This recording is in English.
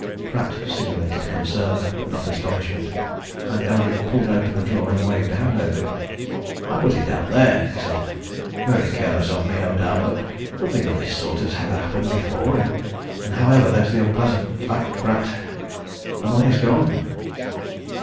Pratt simulated concern but not astonishment. And Eldrick pulled open the drawer, and waved a hand over it. "I put it down there," he said. "Very careless of me, no doubt but nothing of this sort has ever happened before, and however, there's the unpleasant fact, Pratt. The money's gone!"